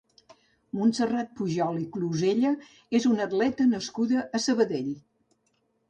Montserrat Pujol i Clusella és una atleta nascuda a Sabadell.